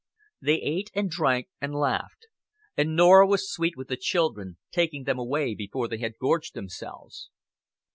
They ate and drank and laughed; and Norah was sweet with the children, taking them away before they had gorged themselves.